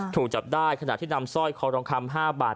ถูกจับได้ขณะที่นำสร้อยคอทองคำ๕บาท